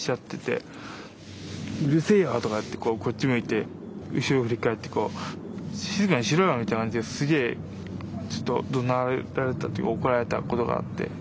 「うるせえよ！」とかってこっち向いて後ろ振り返ってこう「静かにしろよ」みたいな感じですげえちょっとどなられた怒られたことがあって。